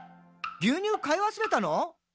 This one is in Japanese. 牛乳買い忘れたの？」